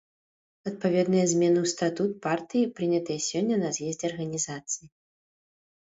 Адпаведныя змены ў статут партыі прынятыя сёння на з'ездзе арганізацыі.